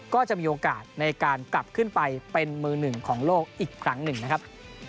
ก็จะมีโอกาสในการกลับขึ้นไปเป็นมือหนึ่งของโลกอีกครั้งหนึ่งนะครับ